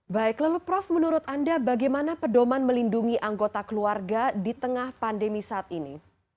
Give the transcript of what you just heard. baik lalu prof menurut anda bagaimana pedoman melindungi anggota keluarga di tengah pandemi saat ini